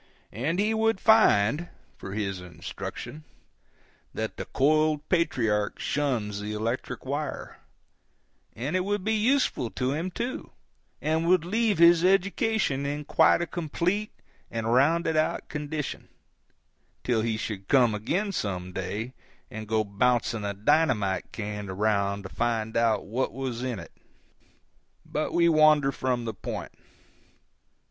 And he would find, for his instruction, that the coiled patriarch shuns the electric wire; and it would be useful to him, too, and would leave his education in quite a complete and rounded out condition, till he should come again, some day, and go to bouncing a dynamite can around to find out what was in it. But we wander from the point.